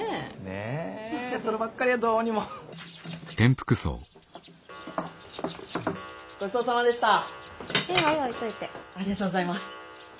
ありがとうございます。